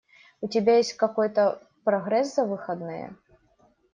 У тебя есть какой-то прогресс за выходные?